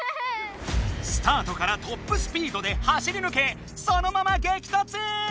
スタートからトップスピードで走りぬけそのまま激突！